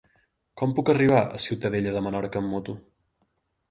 Com puc arribar a Ciutadella de Menorca amb moto?